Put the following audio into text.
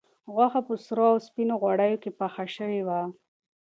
غوښه په سرو او سپینو غوړیو کې پخه شوې وه.